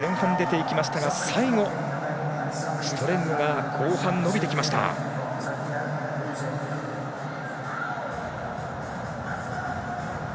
ピーコックは前半出ていきましたが最後、シュトレングが後半伸びてきました。